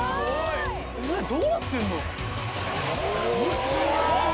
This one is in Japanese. どうなってんの？